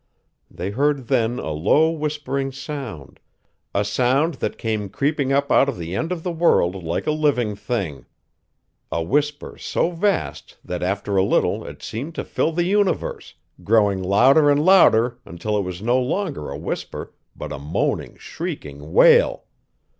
They heard then a low whispering sound a sound that came creeping up out of the end of the world like a living thing; a whisper so vast that, after a little, it seemed to fill the universe, growing louder and louder until it was no longer a whisper but a moaning, shrieking wail.